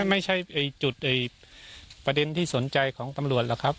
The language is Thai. ไม่ใช่จุดประเด็นที่สนใจของตำรวจหรอกครับ